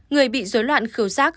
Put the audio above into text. người bị rối loạn khứu rác